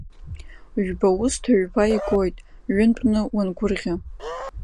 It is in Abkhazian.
Ҩба узҭо ҩба игоит, ҩынтәны уангәырӷьа…